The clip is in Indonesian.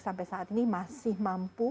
sampai saat ini masih mampu